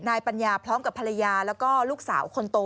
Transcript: ปัญญาพร้อมกับภรรยาแล้วก็ลูกสาวคนโต